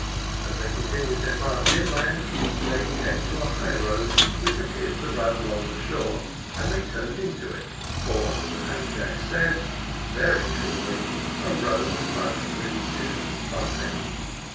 As they continued their march inland, they came to a high road, which appeared to run along the shore, and they turned into it; for, as Jack said very truly, a road must lead to something.